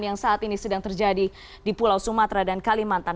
yang saat ini sedang terjadi di pulau sumatera dan kalimantan